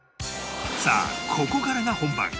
さあここからが本番！